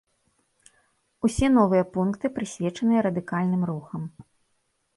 Усе новыя пункты прысвечаныя радыкальным рухам.